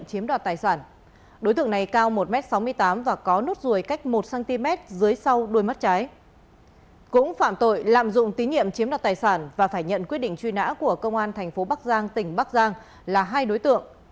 cũng phạm tội lạm dụng tín nhiệm chiếm đoạt tài sản và phải nhận quyết định truy nã của công an thành phố bắc giang tỉnh bắc giang là hai đối tượng